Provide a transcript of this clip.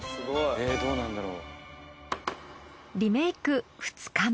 えぇどうなるんだろう？